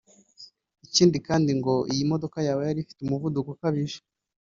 Ikindi kandi ngo iyi modoka yaba yari ifite umuvuduko ukabije